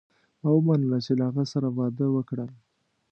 ما ومنله چې له هغه سره واده وکړم.